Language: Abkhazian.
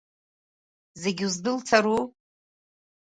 Зегьы уздәылцару?